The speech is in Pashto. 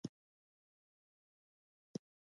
د پنجشېر د بس ټرانسپورټ ټکټونه وېشل.